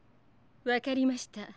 わかりました。